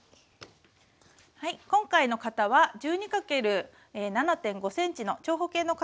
今回の型は１２×７．５ｃｍの長方形の型を使っています。